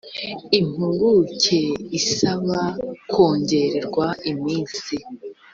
impuguke isaba kongererwa iminsi